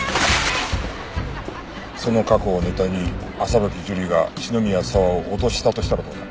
その過去をネタに朝吹樹里が篠宮佐和を脅したとしたらどうだ？